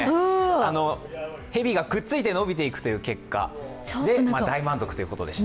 蛇がくっついて伸びていくという結果で大満足ということでした。